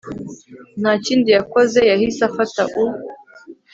ntakindi yakoze yahise afata u